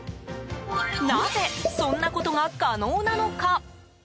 なぜ、そんなことが可能なのか。